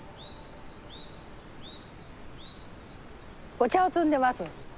お茶を摘んでます。